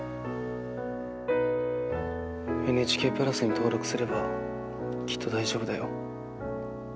ＮＨＫプラスに登録すればきっと大丈夫だよ。